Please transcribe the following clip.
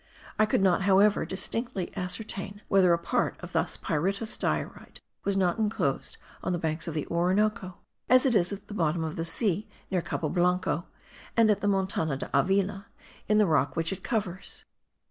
I could not, however, distinctly ascertain whether a part of this pyritous diorite was not enclosed on the banks of the Orinoco, as it is at the bottom of the sea near Cabo Blanco, and at the Montana de Avila, in the rock which it covers.